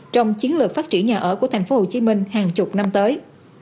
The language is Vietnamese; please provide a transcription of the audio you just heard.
trong chiến lược phát triển nhà ở của tp hcm hàng chục năm tới